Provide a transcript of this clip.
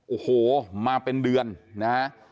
โอ้โหมาเป็นเดือนนะฮะ